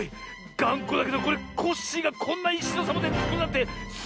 がんこだけどこれコッシーがこんないしのサボテンつくるなんてすごい。